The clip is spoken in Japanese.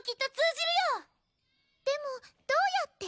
でもどうやって？